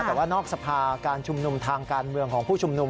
แต่ว่านอกสภาการชุมนุมทางการเมืองของผู้ชุมนุม